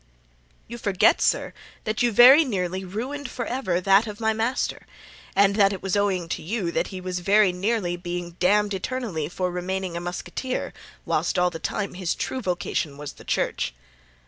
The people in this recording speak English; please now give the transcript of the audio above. "You forget, sir, that you very nearly ruined forever that of my master; and that it was owing to you that he was very nearly being damned eternally for remaining a musketeer, whilst all the time his true vocation was the church."